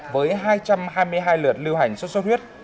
với hai trăm hai mươi hai lượt lưu hành sốt xuất huyết